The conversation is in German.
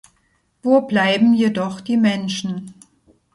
Wo bleiben jedoch die Menschen?